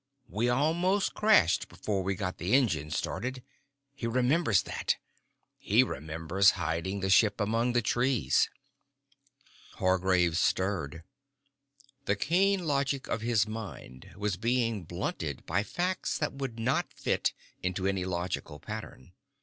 We almost crashed before we got the engines started. He remembers that. He remembers hiding the ship among the trees." Hargraves stirred. The keen logic of his mind was being blunted by facts that would not fit into any logical pattern.